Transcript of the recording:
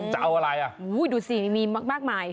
จะเอาอะไรอ่ะดูสิมีมากมาย